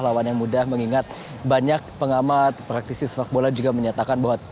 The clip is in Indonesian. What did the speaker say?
lawan yang mudah mengingat banyak pengamat praktisi sepak bola juga menyatakan bahwa